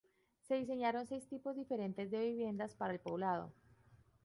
Se diseñaron seis tipos diferentes de viviendas para el poblado.